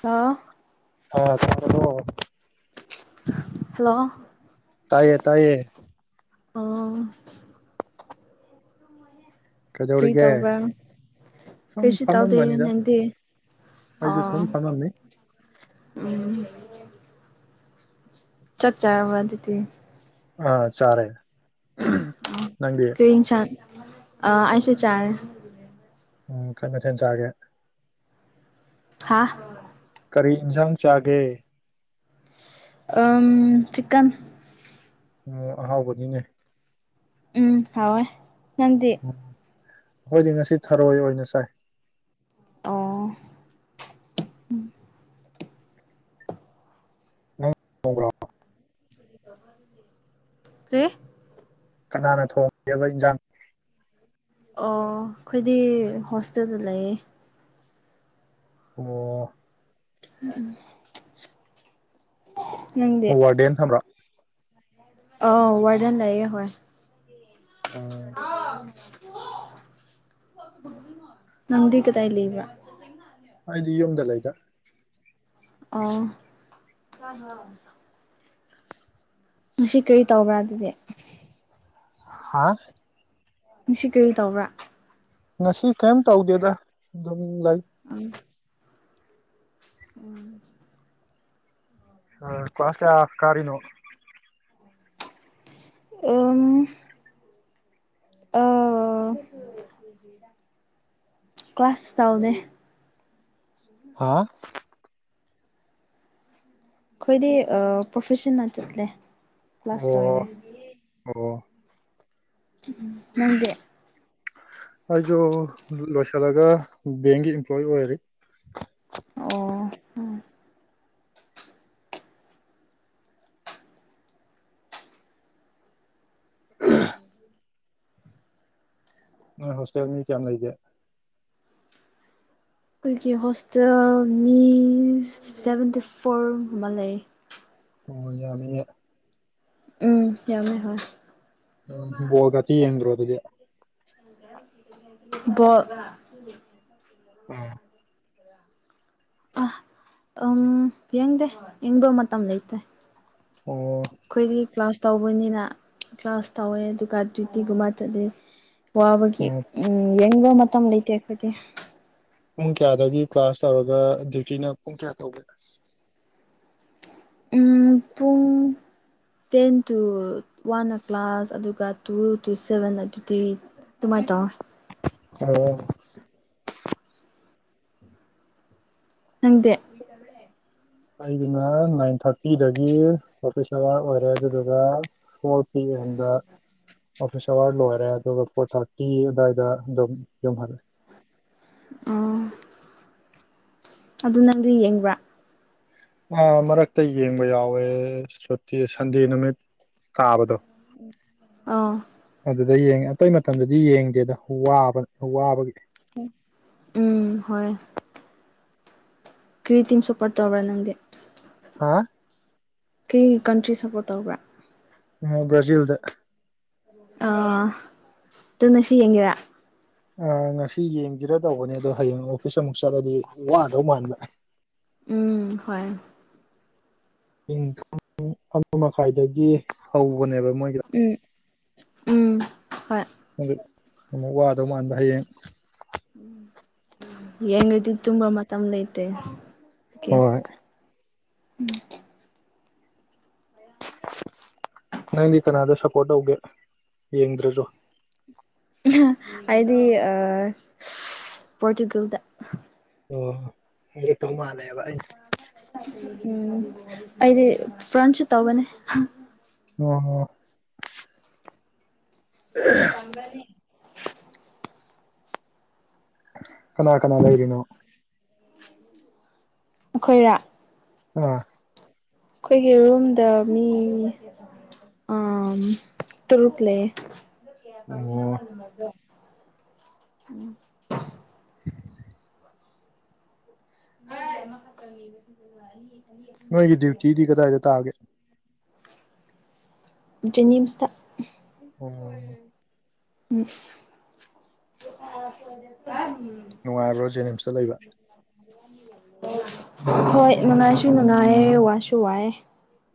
ꯀ ꯑ ꯆ ꯍꯜꯂꯣ ꯇꯥꯏꯌꯦ ꯇꯥꯏꯌꯦ ꯑ ꯐꯔꯤ ꯀꯩꯗꯧꯔꯤꯒꯦ ꯇꯧꯕ꯭ꯔꯥ ꯁꯨꯝ ꯀꯩꯁꯨ ꯇꯥꯎꯗꯦ ꯐꯝꯃꯝꯕꯅꯤꯗ ꯅꯪꯗꯤꯦ ꯑ ꯑꯩꯁꯨ ꯁꯨꯝ ꯐꯝꯃꯝꯃꯤ ꯎꯝ ꯆꯥꯛ ꯆꯥꯕ ꯑꯗꯨꯗꯤ ꯑꯥ ꯆꯔꯦ ꯀꯔꯤ ꯁ ꯑꯁꯨ ꯆꯥ ꯎꯝ ꯀꯃꯦ ꯊꯦꯟꯖꯒꯦ ꯍꯥꯥ ꯀꯔꯤ ꯏꯟꯁꯥꯡ ꯆꯥꯒꯦ ꯑ ꯆꯛꯟ ꯑꯣꯝ ꯑꯍꯥꯎꯕꯅꯤꯅꯦ ꯎꯝ ꯍꯋꯥ ꯅꯗꯤ ꯎꯝ ꯑꯩꯈꯣꯏꯗꯤ ꯉꯁꯤ ꯊꯔꯣꯏ ꯑꯣꯏꯅ ꯆꯥꯏ ꯑꯣ ꯅꯪꯣꯡꯒ꯭ꯔ ꯀꯦ ꯀꯅꯥꯅ ꯊꯣꯡꯒꯦꯕ ꯏꯟꯖꯥꯡ ꯑꯣ ꯑꯩꯈꯣꯏꯗꯤ ꯍꯣꯁꯇꯦꯜꯗ ꯂꯩꯌꯦ ꯑꯣ ꯎꯝ ꯍ ꯋꯥ ꯗꯦꯦꯟꯟ ꯊꯝꯕ꯭ꯔꯥ ꯑ ꯋꯥꯔꯗꯦꯟ ꯂꯩꯑꯦ ꯍꯣꯏ ꯎꯝ ꯅꯪꯗꯤ ꯀꯗꯥꯏ ꯂꯩꯕ꯭ꯔꯥ ꯑꯩꯗꯤ ꯌꯨꯝꯗ ꯂꯩꯗ ꯑꯣ ꯉ ꯀꯔꯤ ꯇꯧꯕ꯭ꯔꯥ ꯑꯗꯨꯗꯤ ꯑ ꯁꯤ ꯀꯔꯤ ꯇꯧꯕ꯭ꯔꯥ ꯉꯁꯤ ꯀꯔꯤꯝ ꯇꯧꯗꯦꯗ ꯑꯗꯨꯝ ꯂꯩ ꯎꯝ ꯑ ꯀ꯭ꯂꯋꯥꯥꯁ ꯀꯥꯔꯤꯅꯣ ꯑ ꯑ ꯀ꯭ꯂ ꯀ꯭ꯂꯥꯁ ꯇꯥꯎꯗꯦ ꯍꯥ ꯑꯩꯈꯣꯏꯗꯤ ꯄ꯭ꯔꯣꯐꯦꯁꯟꯅ ꯆꯠꯂꯦ ꯀ꯭ꯂꯥꯁ ꯑꯣ ꯂꯣꯏꯔꯦ ꯑꯣ ꯅꯪꯗꯦ ꯑꯩꯁꯨ ꯂꯣꯏꯁꯤꯜꯂꯒ ꯕꯦꯡꯒꯤ ꯏꯝꯄ꯭ꯂꯣꯏꯤ ꯑꯣꯏꯔꯤ ꯑꯣ ꯍꯣꯁꯇꯦꯜ ꯃꯤ ꯆꯝ ꯂꯩꯇ ꯑꯩꯈꯣꯏꯒꯤ ꯍꯣꯁꯇꯦꯜ ꯃꯤ ꯁꯚꯦꯟꯇꯤ ꯐꯣꯔꯒꯨꯝ ꯑꯃ ꯂꯩ ꯍ ꯌꯥꯅꯤ ꯎꯝ ꯌꯥꯝꯃꯦ ꯍꯣꯏ ꯕꯣꯜꯒꯇꯤ ꯌꯦꯡꯗ꯭ꯔꯣ ꯑꯗꯨꯗꯤ ꯕꯣ ꯑꯥ ꯑ ꯎꯝ ꯌꯦꯡꯗꯦ ꯌꯦꯡꯕ ꯃꯇꯝ ꯂꯩꯇ꯭ꯔꯦ ꯑꯣ ꯑꯩꯈꯣꯏꯗꯤ ꯀ꯭ꯂꯥꯁ ꯇꯧꯕꯅꯤꯅ ꯀ꯭ꯂꯥꯁ ꯇꯧꯋꯦ ꯑꯗꯨꯒ ꯗ꯭ꯌꯨꯇꯤꯒꯨꯝꯕ ꯆꯠꯂꯤ ꯋꯥꯕꯒꯤ ꯑꯣ ꯎꯝ ꯌꯦꯡꯅꯤꯡꯕ ꯃꯇꯝ ꯂꯩꯇꯦ ꯑꯩꯈꯣꯏꯗꯤ ꯄꯨꯡ ꯀꯌꯥꯗꯒꯤ ꯀ꯭ꯂꯥꯁ ꯇꯧꯔꯒ ꯗ꯭ꯌꯨꯇꯤꯅ ꯄꯨꯡ ꯀꯌꯥ ꯇꯧꯕꯒꯦ ꯑꯗꯨ ꯄꯨꯡ ꯇꯦꯟ ꯇꯨ ꯋꯥꯟ ꯑ ꯀ꯭ꯂꯥꯁ ꯑꯗꯨꯒ ꯇꯨ ꯇꯨ ꯁꯚꯦꯟ ꯑꯗꯨꯗꯤꯤ ꯇꯨꯝꯃꯥꯏ ꯇꯣ ꯑꯣ ꯅꯪꯗꯦ ꯑꯩꯒꯤꯅ ꯅꯥꯏꯟ ꯊꯥꯔꯇꯤꯗꯒꯤ ꯑꯣꯐꯤꯁ ꯑꯋꯥꯔ ꯑꯣꯏꯔꯦ ꯑꯗꯨꯗꯨꯒ ꯐꯣꯔ ꯄꯤ ꯍꯟꯗ ꯑꯣꯐꯤꯁ ꯑꯋꯥꯔ ꯂꯣꯏꯔꯦ ꯑꯗꯨꯒ ꯐꯣꯔ ꯊꯥꯔꯇꯤ ꯑꯗꯨꯋꯥꯏꯗ ꯑꯗꯨꯝ ꯌꯨꯝꯍꯜꯂꯦ ꯑꯣ ꯑꯗꯨ ꯅꯪꯗꯤ ꯌꯦꯡꯕ꯭ꯔꯥ ꯃꯔꯛꯇ ꯌꯦꯡꯕ ꯌꯥꯎꯋꯦ ꯁꯨꯇꯤ ꯁꯟꯗꯦ ꯅꯨꯃꯤꯠ ꯀꯥꯕꯗꯣ ꯑꯥ ꯑꯗ ꯌꯦꯡꯉꯦ ꯑꯇꯩ ꯃꯇꯝꯗꯗꯤ ꯌꯦꯡꯗꯦꯗ ꯋꯥꯕ ꯋꯥꯕꯒꯤ ꯎꯝ ꯍꯣꯏ ꯀ꯭ꯔꯤꯇꯤꯝ ꯁꯣꯄꯣꯔꯠ ꯇꯧꯧꯕ꯭ꯔꯥ ꯅꯪꯗꯤꯦ ꯍꯥ ꯀꯩ ꯀꯟꯇ꯭ꯔꯤ ꯁꯞꯄꯣꯔꯠ ꯇꯧꯕ꯭ꯔꯥ ꯎ ꯕ꯭ꯔꯖꯤꯜꯗ ꯑꯅꯁꯤ ꯌꯦꯒꯔ ꯑ ꯉꯁꯤ ꯌꯦꯡꯁꯤꯔ ꯇꯧꯕꯅꯦ ꯑꯗꯣ ꯍꯌꯦꯡ ꯑꯣꯐꯤꯁ ꯑꯃꯨꯛ ꯆꯠꯂꯗꯤ ꯋꯥꯗꯧ ꯃꯥꯟꯕ ꯎꯝ ꯍꯣꯏ ꯑ ꯄꯨꯡ ꯑꯃ ꯃꯈꯥꯏꯗꯒꯤ ꯍꯧꯕꯅꯦꯕ ꯃꯣꯏꯒꯤꯗ ꯎꯝ ꯎꯝ ꯍꯣꯏ ꯑꯃꯨꯛ ꯋꯥꯗꯧ ꯃꯥꯟꯕ ꯍꯌꯦꯡ ꯎ ꯌꯦꯡꯇꯗꯤ ꯇꯨꯝ ꯃꯝꯗꯩꯇꯩ ꯀꯦ ꯍꯣꯏ ꯎꯝ ꯅꯪꯗꯤ ꯀꯅꯥꯗ ꯁꯞꯄꯣꯔꯠ ꯇꯧꯒꯦ ꯌꯦꯡꯗ꯭ꯔꯁꯨꯣ ꯍꯥꯏꯗꯤ ꯑ ꯄꯔꯆꯨꯒꯦꯜꯗ ꯑꯣ ꯇꯃ ꯂꯩꯕ ꯎꯝ ꯑꯗꯤ ꯐ꯭ꯔꯟꯁꯁꯨ ꯇꯧꯕꯅꯦ ꯑꯣ ꯅ ꯐꯝꯕꯅꯤ ꯀꯅꯥ ꯀꯅꯥ ꯂꯩꯔꯤꯅꯣ ꯑꯩꯈꯣꯏꯔꯥ ꯑꯥ ꯑꯩꯈꯣꯏꯒꯤ ꯔꯨꯝꯗ ꯃꯤ ꯑ ꯇꯨꯔꯨꯛꯂꯦ ꯀꯦꯄꯝꯃꯤꯕ ꯑꯣ ꯅꯝꯕꯗ ꯎ ꯍꯣꯏ ꯃꯈ ꯀ ꯅꯣꯏꯒꯤ ꯗ꯭ꯌꯨꯇꯤꯗꯤ ꯀꯗꯥꯏꯗ ꯇꯥꯒꯦ ꯖꯦꯅꯤꯝꯁꯇ ꯎꯝ ꯎꯝ ꯅꯨꯡꯉꯥꯏꯔꯣ ꯖꯦꯅꯤꯝꯁꯇ ꯂꯩꯕ ꯍꯣꯏ ꯅꯨꯡꯉꯥꯏꯁꯨ ꯅꯨꯡꯉꯥꯏꯌꯦꯦ ꯋꯥꯁꯨ ꯋꯥꯑꯦ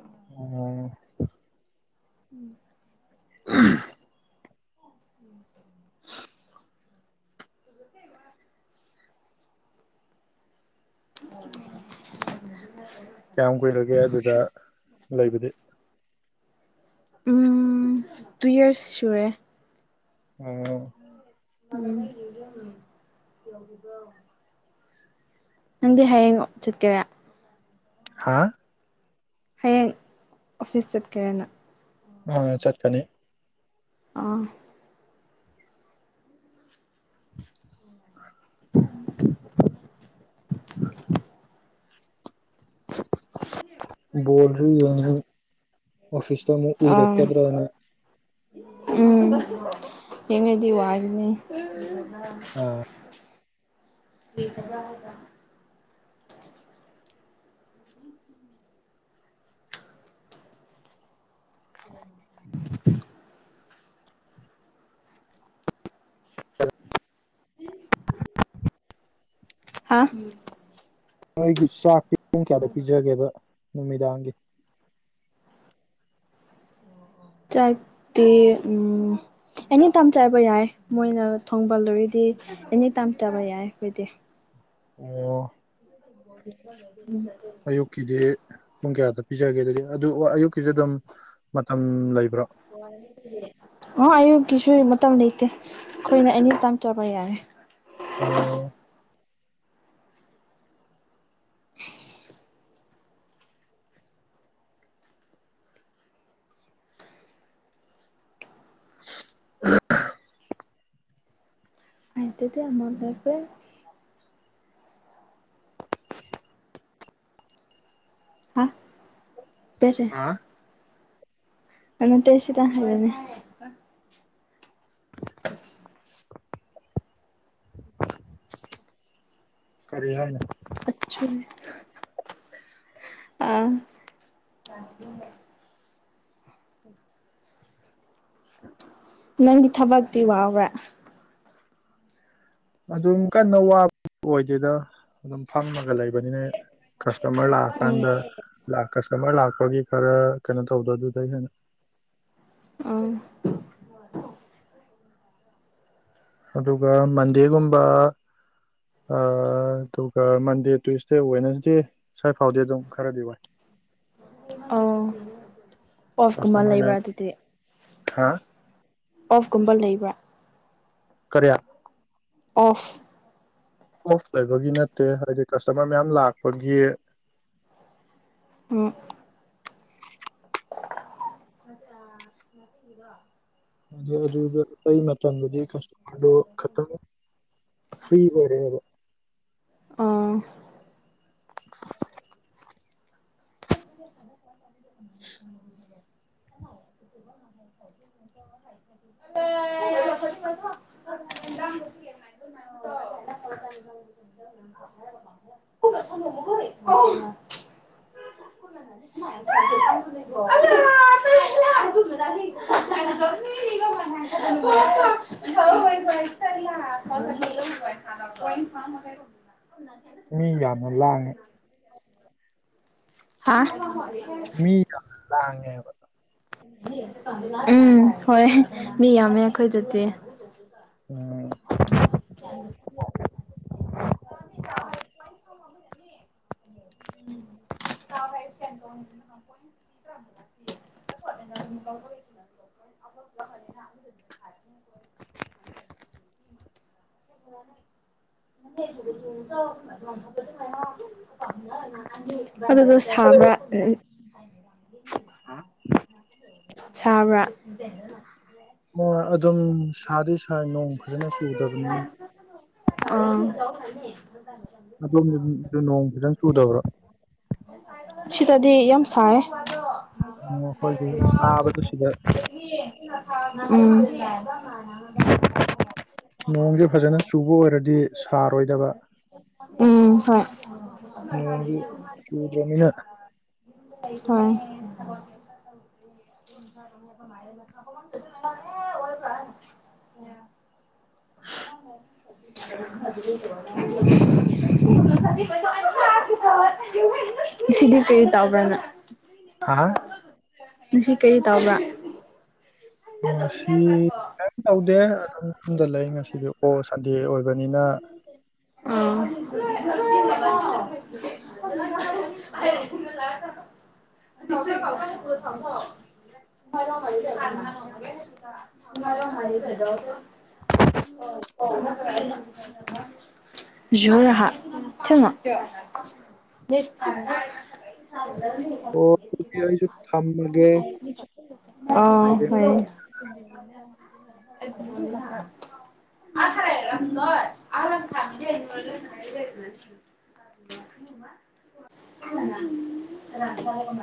ꯑ ꯎꯝ ꯎ [inaudible] ꯀꯌꯥꯝ ꯀꯨꯏꯔꯒꯦ ꯑꯗꯨꯗ ꯂꯩꯕꯗꯤ ꯇꯨ ꯏꯔꯁ ꯁꯨꯔꯦ ꯑꯣ ꯌꯧꯔꯤꯕ꯭ꯔꯣ ꯅꯪꯗꯤ ꯍꯌꯦꯡꯉꯣ ꯆꯠꯀꯦꯔꯦ ꯍꯥꯥ ꯍꯌꯦꯡ ꯑꯣꯐꯤꯁ ꯆꯠꯀꯦꯅ ꯑ ꯆꯠꯀꯅꯤ ꯑꯥ [unintelligible] [unintelligible] [inaudible] ꯕꯣꯜꯔꯤ ꯌ ꯑꯣꯐꯤꯁꯇ ꯑꯃꯨꯛ ꯑꯥ ꯎꯏꯔꯛꯀꯗ꯭ꯔꯅ ꯎꯝ ꯀꯉꯗꯤ ꯋꯥꯖꯅꯤ ꯑꯥ ꯑ ꯍꯀ ꯌꯥꯖ [inaudible] ꯍꯥ ꯅꯣꯏꯒꯤ ꯆꯥꯛꯇꯤ ꯄꯨꯡ ꯀꯌꯥꯗ ꯄꯤꯖꯒꯦꯕ ꯅꯨꯃꯤꯗꯥꯒꯤ ꯆꯥꯛꯗꯤ ꯑꯦꯅꯤ ꯇꯥꯏꯝ ꯆꯠꯕ ꯌꯥꯏ ꯃꯣꯏꯅ ꯊꯣꯡꯕꯜꯂꯔꯤꯗꯤ ꯑꯦꯅꯤ ꯇꯥꯏꯝ ꯆꯥꯕ ꯌꯥꯏ ꯑꯩꯣꯏꯗꯤ ꯑꯣ ꯑꯣ ꯑꯌꯨꯛꯀꯤꯗꯤ ꯄꯨꯡ ꯀꯌꯥꯗ ꯄꯤꯖꯒꯦ ꯑꯗꯨꯗꯤ ꯑꯗꯨ ꯑꯌꯨꯛꯀꯤꯁ ꯑꯗꯨꯝ ꯃꯇꯝ ꯂꯩꯕ꯭ꯔꯣ ꯑ ꯑꯌꯨꯛꯀꯤꯁꯨ ꯃꯇꯝ ꯂꯩꯇꯦ ꯑꯩꯈꯣꯏꯅ ꯑꯅꯤꯇꯥꯡ ꯆꯥꯕ ꯌꯥꯔꯦ ꯑꯣ ꯎ ꯑꯇꯗꯤ ꯑꯃꯗꯔꯒ ꯍꯥ ꯀꯁꯦ ꯍꯥ ꯑꯠꯇꯁꯤꯗ ꯍꯥꯏꯅꯦ ꯀꯔꯤ ꯍꯥꯏꯅ ꯑꯥ ꯅꯪꯒꯤ ꯊꯕꯛꯇꯛꯇꯤ ꯋꯥꯎ꯭ꯔꯦ ꯑꯗꯨꯝ ꯀꯟꯅ ꯋꯥꯕ ꯑꯣꯏꯗꯦꯗ ꯑꯗꯨꯝ ꯐꯝꯃꯒ ꯂꯩꯕꯅꯤꯅ ꯀꯁꯇꯃꯔ ꯂ ꯎꯝ ꯑꯥꯟꯗ ꯂ ꯀ ꯀꯁꯇꯃꯔ ꯂꯥꯛꯄꯒꯤ ꯈꯔ ꯀꯩꯅꯣ ꯇꯧꯕꯗꯣ ꯑꯗꯨꯗꯩ ꯍꯦꯟꯅ ꯑꯣ ꯑꯗꯨꯒ ꯃꯟꯗꯦꯒꯨꯝꯕ ꯑꯗꯨꯒ ꯃꯟꯗꯦ ꯇꯨꯋꯁꯗꯦ ꯋꯅꯁꯗꯦ ꯁ꯭ꯏ ꯐꯥꯎꯗꯤ ꯑꯗꯨꯝ ꯈꯔꯗꯤ ꯋꯥꯏ ꯑ ꯑꯣꯣꯐꯀꯨꯝꯕ ꯀꯁꯇꯃꯔ ꯂꯩꯕ꯭ꯔꯥ ꯃꯌꯥꯝ ꯑꯗꯨꯗꯤ ꯍꯥ ꯑꯣꯐꯀꯨꯝꯕ ꯂꯩꯕ꯭ꯔꯥ ꯀꯔꯌꯥ ꯑꯣꯐ ꯑꯣꯐ ꯂꯩꯕꯒꯤ ꯅꯠꯇꯦ ꯍꯥꯏꯕꯗꯤ ꯀꯁꯇꯃꯔ ꯃꯌꯥꯝ ꯂꯥꯛꯄꯒꯤ ꯎ ꯁꯁꯤꯗ ꯑꯗꯨ ꯑꯩ ꯃꯇꯝꯗꯨꯗꯤ ꯀꯁꯇꯃꯔꯗꯣ ꯈꯇꯪ ꯐ꯭ꯔꯤ ꯑꯣꯏꯔꯛꯑꯦꯕ ꯑꯥ [unintelligible] [unintelligible] [unintelligible] ꯍꯥꯏ [unintelligible] ꯆ ꯐ ꯁ ꯀꯣ ꯂ ꯣꯏ ꯐ ꯃꯤ ꯌꯥꯝꯅ ꯂꯥꯡꯉꯦ [unintelligible] ꯃꯤ ꯂꯦꯕ ꯎꯝ ꯍꯣꯏ ꯃꯤ ꯌꯥꯝꯃꯦ ꯑꯩꯈꯣꯏꯗꯗꯤ ꯎꯝ [unintelligible] ꯎꯝ ꯍꯥꯏ ꯑꯋꯥ [unintelligible] ꯑꯗꯨ ꯑꯗꯨ ꯑꯕ ꯁꯥꯕ꯭ꯔꯥ ꯑꯣ ꯑꯗꯨꯝ ꯁꯥꯗꯤ ꯁꯥꯔ ꯅꯣꯡ ꯐꯖꯅ ꯆꯨꯗꯕꯅꯤ ꯐ ꯑꯗꯣꯝꯗꯗꯤ ꯅꯣꯡ ꯐꯖꯅ ꯆꯨꯗꯕ꯭ꯔꯣ ꯁꯤꯇꯙꯦꯌꯝ ꯁꯥꯏ [inaudible] ꯑꯣ ꯑꯩꯈꯣꯏꯁꯨ ꯁꯥꯕꯗ ꯁꯤꯗ ꯅꯣꯡꯁꯦ ꯐꯖꯅ ꯆꯨꯕ ꯑꯣꯏꯔꯗꯤ ꯁꯥꯔꯣꯏꯗꯕ ꯎꯝ ꯍꯣꯏ ꯅꯣꯡꯉꯤ ꯆꯨꯗꯃꯤꯅ ꯍꯣꯏ [inaudible] ꯁꯤꯗꯤ ꯀꯔꯤ ꯇꯕ꯭ꯔꯦꯅ ꯍꯥ ꯉꯁꯤ ꯀꯔꯤ ꯇꯥꯎꯕ ꯉꯁꯤ ꯀꯔꯤ ꯇꯧꯗꯦ ꯑꯗꯨꯝ ꯌꯨꯝꯗ ꯂꯩ ꯉꯁꯤꯗꯤ ꯑꯣ ꯁꯟꯗꯦ ꯑꯣꯏꯕꯅꯤꯅ ꯑ ꯍ ꯍꯂꯣ ꯖꯣꯔꯍꯥ ꯊꯉꯣ ꯑꯣ ꯑꯗꯨꯗꯤ ꯑꯩꯁꯨ ꯊꯝꯃꯒꯦ ꯑ ꯍꯌꯦꯡ ꯍꯣꯏ ꯑꯗꯨ ꯉ ꯊꯥꯏꯔꯝ ꯅꯣꯏ ꯑ ꯊ ꯔꯖ